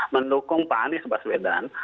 mendukung pak anis baswedan